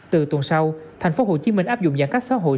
từ tuần sau thành phố hồ chí minh áp dụng giãn cách xã hội